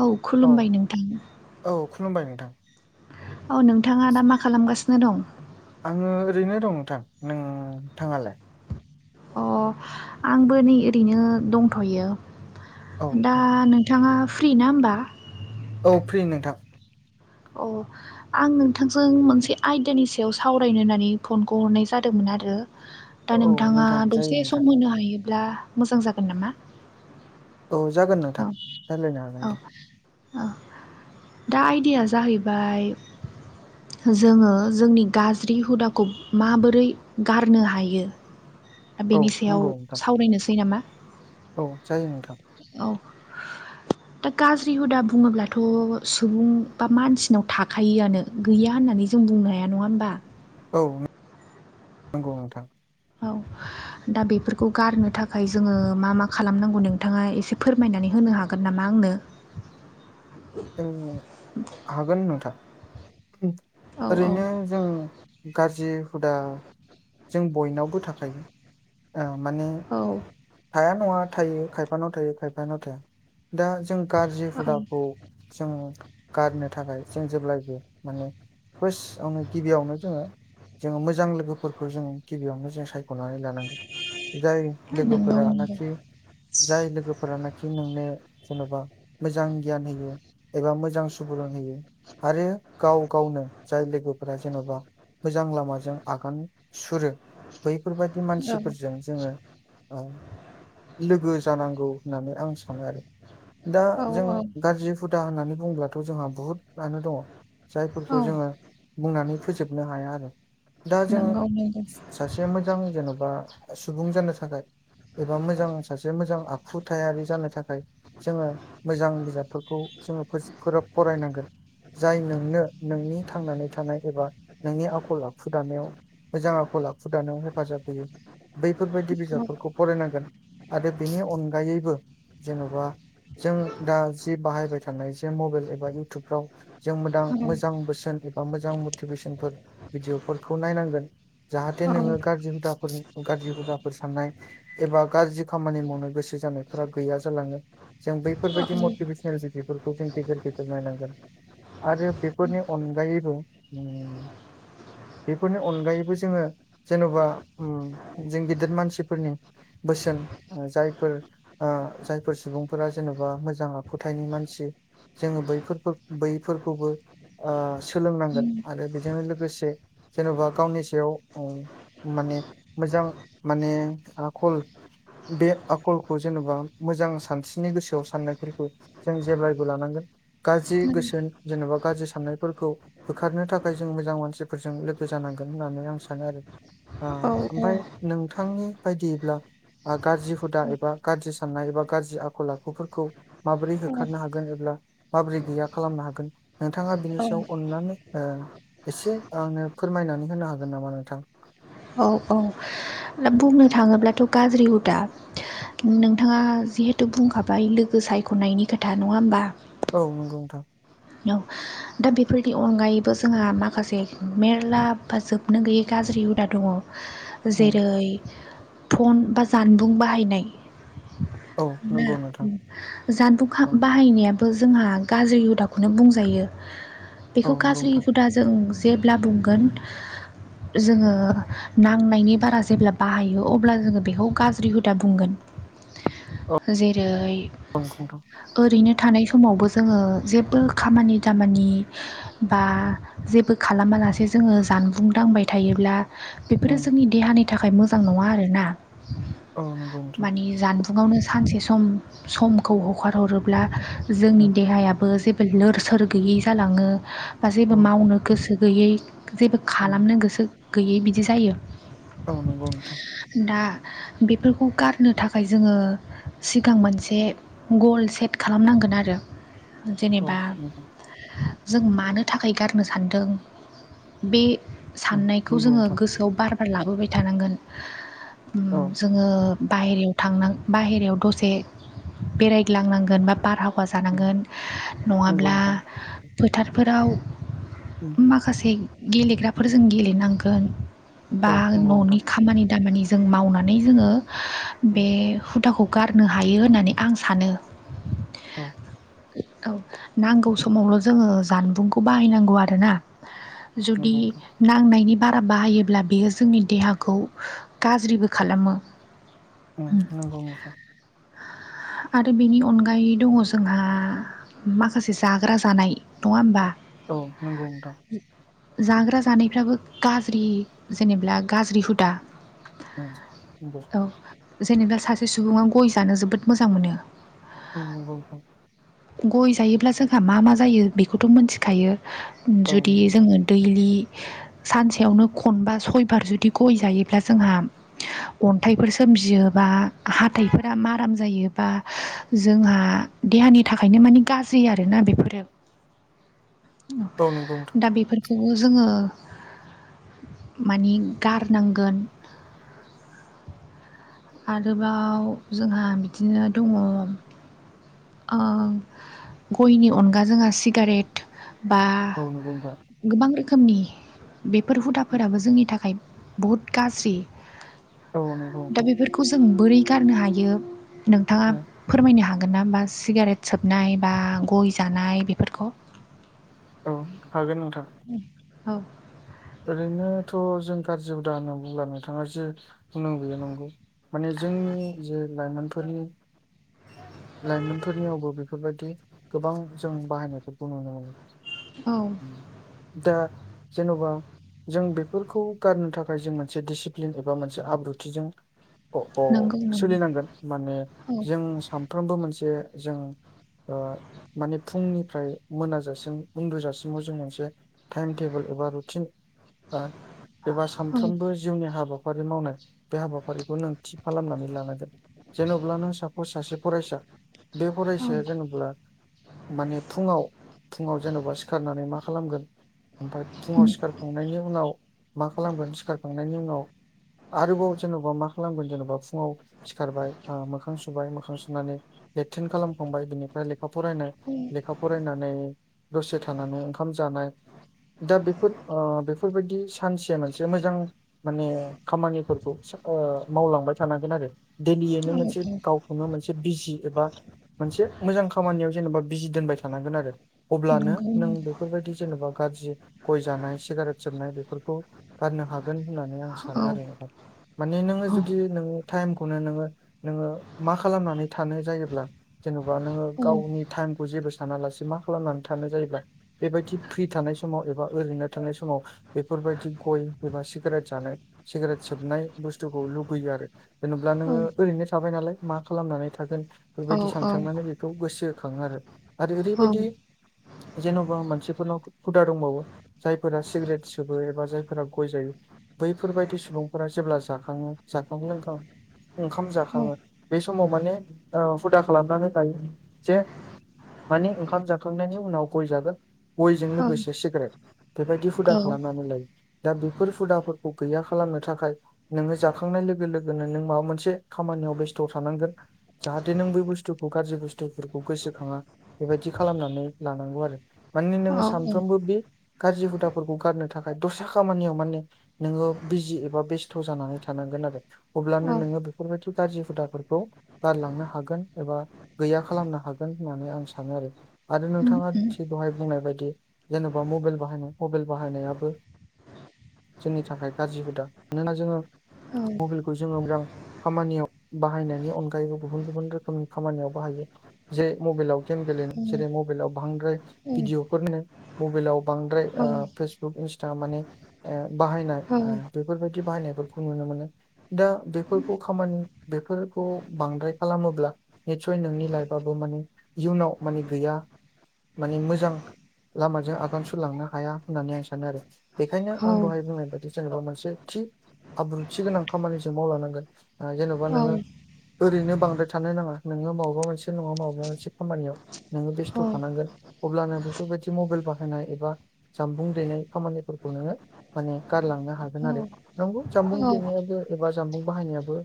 औ खुलुमबाय नोंथां औ खुलुमबाय नोंथां औ नोंथाङा दा मा खालामगासिनो दं आङो ओरैनो दं नोंथां नोंथाङालाय अ आंबो नै ओरैनो दंथ'यो औ दा नोंथां नोंथाङा फ्रि ना होमबा औ फ्रि नोंथां औ आं नोंथांजों मोनसे आयदानि सायाव सावरायनो होननानै फनखौ हरनाय जादोंमोन आरो औ दा नोंथाङा नोंथां जायो दसे नोंथां सम होनो हायोब्ला मोजां जागोन नामा औ जागोन नोंथां रायलायनो हागोन दे औ-औ-औ दा आयदाया जाहैबाय जोङो जोंनि गाज्रि हुदाखौ माबोरै गारनो हायो दा औ बेनि सायाव नंगौ नोंथां सावरायनोसै नामा औ जायो नोंथां औ [inaudible] दा गाज्रि हुदा बुङोब्लाथ' सुबुं बा मानसिनाव थाखायोआनो गैया होननानै जों बुंनो हाया नङा होमबा औ नंगौ नोंथां औ दा बेफोरखौ गारनो थाखाय जोङो मा मा खालामनांगौ नोंथाङा एसे फोरमायनानै होनो हागोन नामा आंनो औ हागोन नोंथां औ औ ओरैनो जों गाज्रि हुदा जों बयनावबो थाखायो। ओ माने औ थाया नङा थायो खायफानाव थायो खायफानाव थाया दा जों गाज्रि औ हुदाखौ जों गारनो थाखाय जों जेब्लायबो माने फास्ट आवनो गिबियावनो जोङो जोङो मोजां लोगोफोरखौ जों गिबियावनो जों सायख'नानै लानांगोन बिदाय नंगौ नंगौ लोगोफोरानाखि जाय लोगोफोरानाखि नोंनो जेनबा मोजां गियान होयो एबा मोजां सुबुरुन होयो आरो गाव गावनो जाय लोगोफोरा जेनबा मोजां लामाजों आगान सुरो बैफोरबायदि औ मानसिफोरजों जोङो ओ लोगो जानांगौ होननानै आं सानो आरो दा औ जों औ गाज्रि हुदा होननानै बुङोब्लाथ' जोंहा बुहुतआनो दङ औ जायफोरखौ जोङो बुंनानै फोजोबनो हाया आरो दा जों नंगौ नंगौ सासे मोजां जेनबा सुबुं जानो थाखाय एबा मोजां सासे मोजां आखुथायारि जानो थाखाय जोङो मोजां बिजाबफोरखौ जोङो फोज फोरोब फरायनांगोन। जाय नोंनो नोंनि थांनानै थानाय एबा नोंनि आखल आखु दानायाव मोजां आखल आखु दानायाव हेफाजाब होयो बैफोरबायदि बिजाबफोरखौ फरायनांगोन आरो बेनि अनगायैबो जेनबा जों दा जि बाहायबाय थानाय जे मबेल एबा इउटुबफ्राव जों मोदां औ मोजां बोसोन एबा मोजां मटिभेसनफोर भिडिअफोरखौ नायनांगोन जाहाथे नोङो गाज्रि हुदाफोर गाज्रि हुदाफोर साननाय एबा गाज्रि खामानि मावनो गोसो जानायफोरा गैया जालाङो जों बै औ फोरबायदि मटिभेसनेल भिडिअफोर खौ जों गेजेर गेजेर नायनांगोन आरो बेफोरनि अनगायैबो उम बेफोरनि अनगायैबो जोङो जेनबा उम जों गेदेर मानसिफोरनि बोसोन ओ जायफोर ओ जायफोर सुबुंफोरा जेनबा मोजां आखुथाइनि मानसि जोङो बैफोरखौ बैफोरखौबो ओ सोलोंनांगोन आरो बेजोंनो लोगोसे जेनबा गावनि सायाव औ माने मोजां माने आखल बे आखलखौ जेनबा मोजां सानस्रिनि गोसोआव साननायफोरखौ जों जेब्लाय बो लानांगोन गाज्रि गोसो जेनेबा गाज्रि साननायफोरखौ होखारनो थाखाय जों मोजां मानसिफोरजों लोगो जानांगोन होननानै आं सानो आरो आ ओमफाय नोंथांनि बायदियैब्ला आ गाज्रि हुदा एबा गाज्रि साननाय एबा गाज्रि आखल आखुफोरखौ माबोरै होखारनो हा गोन एब्ला माबोरै गैया खालामनो हागोन नोंथाङा बिनि सायाव अननानै ओ एसे आङो फोरमायनानै होनो हागोन नामा नोंथां? औ औ दा बुंनो थाङोब्लाथ' गाज्रि हुदा नोंथाङा जिहेथु बुंखाबाय लोगो सायख'नायनि खोथा नङा ओमबा? औ नंगौ नोंथां। औ दा बेफोरनि अनगायैबो जोंहा माखासे मेरला बा जोबनो गैयै गाज्रि हुदा दङ। उम, जेरै फन बा जानबुं बाहायनाय औ नंगौ नोंथां जानबुंखो औ बाहायनायाबो जोंहा गाज्रि हुदा खौनो बुंजायो औ बेखौ नंगौ गाज्रि नोंथां हुदा जों जेब्ला बुंगोन जोङो नांनायनि बारा जेब्ला बाहायो अब्ला जोङो बेखौ गाज्रि हुदा बुंगोन। जेरै औ नंगौ नोंथां [unintelligible] ओरैनो थानाय समावबो जोङो जेबो खामानि दामानि बा जेबो खालामालासे जोङो जानबुं दांबाय थायोब्ला बेफोरो उम जोंनि देहानि थाखाय मोजां नङा आरोना औ नंगौ नोंथां माने जानबुंआवनो सानसे सम समखौ हगारहरोब्ला जोंनि उम देहायाबो जे बो लोर सोर गैयै जालाङो बा औ जेबो मावनो गोसो गैयै जेबो उम खालामनो गोसो गैयै बिदि जायो औ नंगौ नोंथां दा बेफोरखौ गारनो थाखाय जोंङो सिगां मोनसे गल सेट खालामनांगोन आरो औ जेनेबा नोंथां जों मानो थाखाय गारनो सानदों बे उम साननायखौ नंगौ जोङो नोंथां गोसोआव बार बार लाबोबाय थानांगोन औ जोङो बाहेरायाव थांन बाहेरायाव दसे बेरायग्लांनांगोन बा बारहाव हा उम जानांगोन नंगौ नंङाब्ला नोंथां फोथारफोराव उम माखासे गेलेग्राफोरजों गेलेनांगोन बा औ नंगौ न'नि नोंथां खामानि दामानि जों मावनानै जोङो बे उम हुदाखौ गारनो हायो होननानै आं सानो औ औ नांगौ समावल' जोंङो जानबुंखौ बाहायनांगौ आरोना जुदि नंगौ नांनायनि बारा बाहायोब्ला बेयो जोंनि देहाखौ गाज्रिबो खालामो [unintelligible] ओं नंगौ आरो बेनि अनगायै दंङो जोंहा माखासे जाग्रा जानाय नङा होमबा औ नंगौ नोंथां जाग्रा जानायफ्राबो गाज्रि जेनेब्ला गाज्रि हुदा [unintelligible] जेनेबा सासे सुबुंङा गय जानो जोबोद मोजां मोनो उम गय जायोब्ला जोंहा मा मा जायो बेखौथ' मोनथिखायो औ जुदि नंगौ नोंथां जोंङो दैलि सानसेयावनो खनबा सयबार जुदि गय जायोब्ला जोंहा अन्थाइफोर सोमजियोबा हााइफोरा मा आराम जायोबा जोंहा देहानि थाखायनो मानिे गाज्रि आरोना बेफोरो उम नंगौ उम नंगौ नोंथां दा बेफोरखौ बेखौबो जोङो माने गारनांगोन आरोबाव जोंहा बिदिनो दंङो गयनि अनगा जोंहा सिगारेट बा औ नंगौ नोंथां औ नंगौ नोंथां औ नंगौ गोबां रोखोमनि बेफोर नोंथां हुदाफोराबो जोंनि थाखाय बहुत गाज्रि औ नंगौ दा नोंथां बेफोरखौ जों बोरै गारनो हायो नोंथाङा ओ फोरमायनो हागोन ना होमबा सिगारेट सोबनाय बा गय जानाय बेफोरखौ औ हागोन नोंथांङा औ ओरैनोथ' जों गाज्रि हुदा होनना बुंलां नोंथाङा जे नों गयो नंगौ माने जोंनि जे लाइमोनफोरनि लाइमोनफोरनियावबो बेफोरबायाददि गोबां जों बाहायनायफोरखौ नुनो मोनो औ दा जेन'बा जों बेफोरखौ गारनो थाखाय जों मोनसे डिसिप्लिन एबा मोनसे आब्रुथिजों अ अ नंगौ नंगौ सोलिनांगोन माने औ जों सानफ्रोमबो मोनसे जों माने फुंनिफ्राय मोनाजासिम उन्दुजासिमाव जों मोनसे टाइम टेबोल एबा रुटिन एबा औ सानफ्रोमबो जिउनि हाबाफारि मावनाय बे हाबाफारिखौ नों थि खालामनानै लानांगोन जेन'ब्ला नों सा सासे फरायसा बे औ फरायसाया जेनब्ला माने फुङाव फुङाव जेन'बा सिखारनानै मा खालामगोन ओमफ्राय फुङाव उम सिखार खांनायनि उनाव मा खालामगोन सिखारखांनायनि उनाव आरोबाव जेन'बा मा खालामगोन जेन'बा फुङाव सिखारबाय ओ मोखां सुबाय मोखां सुनानै लेट्रिन खालामखांबाय बिनिफ्राय लेखा फरायनाय औ लेखा फरायनानै दसे थानानै ओंखाम जानाय। दा बेफोर ओ बेफोरबायदि सानसेया मोनसे मोजां माने खामानिफोरखौ ओ मावलांबाय थानांगोन आरो [unintelligible] औ नों मोनसे माबा मोनसे बिजि एबा मोनसे मोजां खामानियाव जेनेबा बिजि दोनबाय थानांगोन आरो। अब्लानो नंगौ नों नंगौ बेफोरबायदि जेनेबा गाज्रि गय जानाय सिगारेट सोबनाय बेफोरखौ गारनो हागोन होननानै आं सानो औ आरो नोंथां। माने नोङो औ जुदि नों टाइमखौनो नोङो नोङो मा खालामनानै थानो जायोब्ला? जेनेबा नोङो गावनि टाइमखौ जेबो सानालासे मा खालामनानै थानो जायोबा बेबायदि फ्रि थानाय समाव एबा ओरैनो थानाय समाव बेफोरबायदि गय एबा सिगारेट जानाय सिगारेट सोबनाय बुस्थुखौ लुुबैयो आरो जेनेब्ला औ नोङो ओरैनो थाबाय नालाय मा खालामनानै थागोन? बेबायदि सानफ्लांनानै नैबे बेखौ गोसो खाङो आरो आरो ओरैबायदि जेन'बा मोनसिफोरनाव हुदा दंबावो। जायफोरा सिगरेट सोबो एबा जायफोरा गय जायो। बैफोरबायदि सुबुंफोरा जेब्ला जाखां जाखां लोंखां ओंखाम जाखाङो बे समाव माने हुदा खालामनानै लायो जे माने ओंखाम जाखांनायनि उनाव गय जागोन। गयजों लोगोसे सिकरेट बेबायदि हुदा औ खालामनानै लायो। दा बेफोर हुदाफोरखौ गैया खालामनो थाखाय नोङो जाखांनाय लोगो लोगोनो नों माबा मोनसे खामानियाव बेस्थ' थानांगोन। जाहाथे नों बै बुस्थुखौ गाज्रि बुस्थुफोरखौ गोसोखाङा। बेबायदि खालामनानै लानांगौ आरो माने औ नोङो सानफ्रोमबो बे गारजि हुदाफोरखौ गारनो थाखाय दस्रा खामानियाव माने नोङो बिजि एबा बेस्थ' जानानै थानांगोन आरो अब्लानो औ नोङो बेफोरबायदि गाज्रि हुदा फोरखौ गारलांनो हागोन एबा गैया खालामनो हागोन होननानै आं सानो आरो आरो उम नोंथाङा उम थिग बेहाय बुंनाय बायदि जेन'बा मबाइल बाहायनाय मबाइल बाहायनायाबो जोंनि थाखाय गाज्रि हुदा मानोना जोङो औ मबेलखौ जोङो मोजां खामानियाव बाहायनायनि अनगायैबो गुबुन गुबुन रोखोमनि खामानियाव बाहायो जे मबाइलाव गेम गेलेनो जेरै मबाइलाव बांद्राय भिडिअफोरनो मबाइलाव बांद्राय औ औ ओ फेसबुक, इन्सटा माने ओ बाहायनाय औ बेफोरबायदि बाहायनायफोरखौ नुनो मोनो। दा बेफोरखौ खामानि फोरखौ बांद्राय खालामोब्ला। निसय नोंनि लाइफाबो माने इयुनाव माने गैया माने मोजां लामाजों आगान सुरलांनो हाया होननानै आं सानो आरो बेखायनो आं औ दहाय बुंनाय बादि जेनेबा मोनसे थि आब्रुथि गोनां खामानिजों मावलांनांगोन ओ जेन'बा नोङो ओरैनो बांद्राय थानो नाङा नोङो मबेबा मोनसे नङा मबेबा मोनसे खामानियाव नोङो बेस्थ' थानांगोन अब्लानो बेफोरबायदि मबेल बाहायनाय एबा जानबुं दैनाय खामानिफोरखौ नोङो माने गारलांनो हा गोन आरो नंगौ जामबुं देनायाबो एबा जामबुं बाहायनायाबो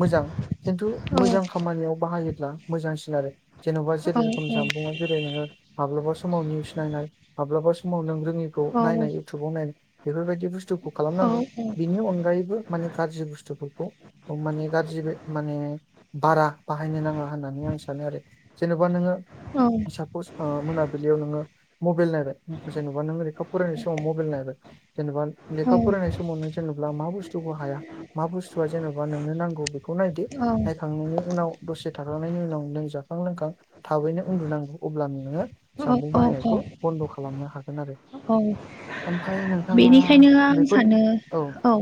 मोजां खिन्थु मोजां खामानियाव बाहायोब्ला मोजांसिन आरो जेन'बा जेरै रोखोम जानबुंआव जिरायनाय माब्लाबा समाव निउस नायनाय, माब्लाबा समाव नों रोङि खौ नायनाय इउटुबाव नायनाय बेफोरबायदि बुस्थुखौ खालामनांगौ बिनि अनगायैबो माने गाज्रि बुस्थुफोरखौ अ माने गाज्रि माने बारा बाहायनो नाङा होननानै आं सानोआरो जेनेबा नोङो सापस ओ मोनाबिलियाव नोङो मबाइल नायो जेनेबा नों रेखा फरायनाय समाव मबाइल नायो जेनेबा लेखा फरायनाय समावनो जेनेबा मा बुस्थुखौ हाया मा बुस्तु जेनबा नोंनो नांगौ बेखौ नायदो नायखांनायनि उनाव दसे थाखांनायनि उनाव नों जाखां लोंखां थाबैनो उन्दुनांगौ अब्लानो नोङो जामबुं औ बाहायनायखौ बन्द' खालामनो हागोन आरो औ ओमफ्राय नोंथाङा बेनिखायनो आं सानो औ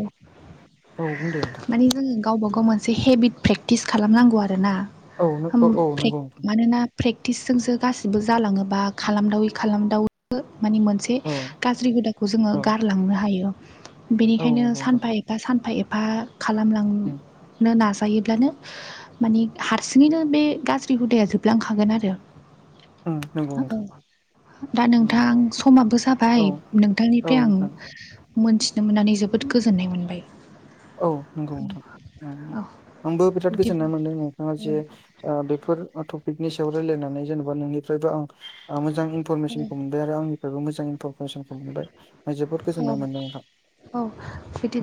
औ बुं दे नोंथां मानि जोङो गावबा गाव मोनसे हेबिट प्रेक्टिस खालामनांगौ आरोना औ नों होम औ औ प्रेक नंगौ नोंथां मानोना प्रेक्टिसजोंसो गासिबो जालाङोबा खालामदावै खालामदावै बो मानि मोनसे औ गाज्रि हुदाखौ जोङो औ गारलांनो हायो औ बेनिखायनो नंगौ नोंथां सानफा एफा सानफा एफा उम खालामलांनो नाजायोब्लानो माने हारसिङैनो बे गाज्रि हुदाया जोबलांखागोन आरो ओ नोंगौ नोंथां दा नोंथां उम समाबो औ जाबाय औ नोंथांनिफ्राय आं नोंथां मोन्थिनो मोननानै जोबोद गोजोननाय मोनबाय। औ नंगौ नोंथां औ आंबो बिराद बिदि गोजोननाय मोनदों नोंथाङा जे आ बेफोर टपिकनि सायाव रायजलायनानै जेनेबा नोंनिफ्रायबो आं आ मोजां इनफरमेसनखौ मोनबाय आरो आंनिफ्रायबो मोजां इनफरमेसनखौ मोनबाय आं जोबोद गोजोन्नाय मोनदों नोंथां औ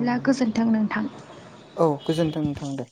औ गोजोन्थों नोंथां औ गोजोन्थोंनो नोंथां दे